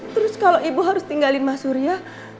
terus kalau ibu harus tinggalin mas surya